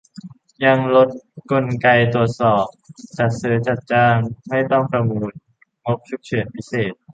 ยังลดกลไกตรวจสอบ จัดซื้อจัดจ้างไม่ต้องประมูล งบฉุกเฉินพิเศษ